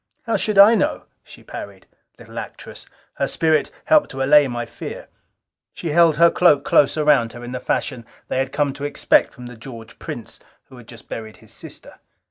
"How should I know?" she parried. Little actress! Her spirit helped to allay my fear. She held her cloak close around her in the fashion they had come to expect from the George Prince who had just buried his sister.